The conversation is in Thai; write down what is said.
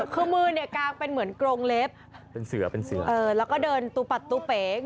คือมือเนี่ยกางเป็นเหมือนกรงเล็บเป็นเสือแล้วก็เดินตุปัดตุเปก